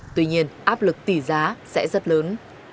tuy nhiên áp lực tỷ giá sẽ rất lớn